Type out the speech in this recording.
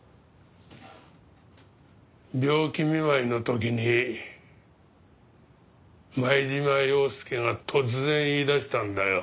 病気見舞いの時に前島洋輔が突然言い出したんだよ。